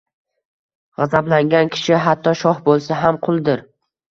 G'azablangan kishi, hatto shoh bo'lsa ham, quldir.